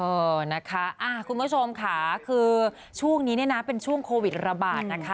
เออนะคะคุณผู้ชมค่ะคือช่วงนี้เนี่ยนะเป็นช่วงโควิดระบาดนะคะ